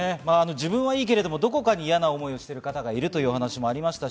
自分はいいけど、どこかに嫌な思いをしている人がいるというお話もありました。